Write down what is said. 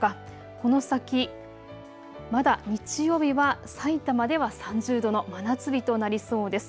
この先、まだ日曜日はさいたまでは３０度の真夏日となりそうです。